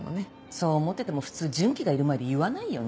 そう思ってても普通順基がいる前で言わないよね？